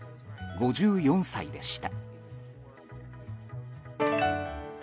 ５４歳でした。